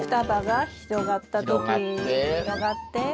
広がって。